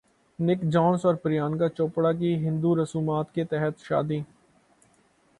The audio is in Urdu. نک جونس اور پریانکا چوپڑا کی ہندو رسومات کے تحت شادی